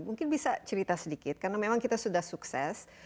mungkin bisa cerita sedikit karena memang kita sudah sukses